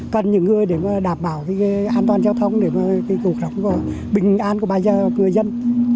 còn những người để đảm bảo an toàn giao thông để cục rộng bình an của bà gia và người dân